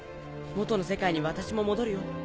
元の世界に私も戻るよ。